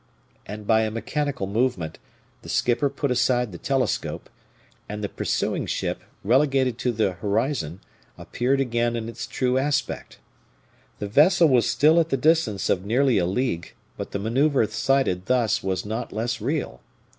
And by a mechanical movement, the skipper put aside the telescope, and the pursuing ship, relegated to the horizon, appeared again in its true aspect. The vessel was still at the distance of nearly a league, but the maneuver sighted thus was not less real.